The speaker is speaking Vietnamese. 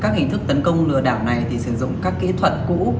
các hình thức tấn công lừa đảo này thì sử dụng các kỹ thuật cũ